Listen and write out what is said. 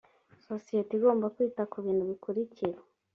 sosiyete igomba kwita ku bintu bikurikira